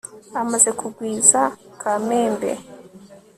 amaze kukwigiza kamembe